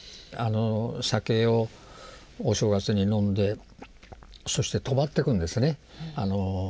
酒をお正月に飲んでそして泊まってくんですねうちへ。